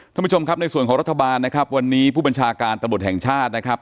ท่านผู้ชมครับในส่วนของรัฐบาลนะครับวันนี้ผู้บัญชาการตำรวจแห่งชาตินะครับ